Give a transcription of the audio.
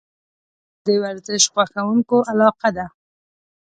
منډه د ورزش خوښونکو علاقه ده